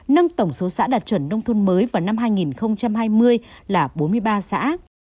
nâng tổng số xã đạt chuẩn nông thôn mới vào năm hai nghìn hai mươi là bốn mươi ba xã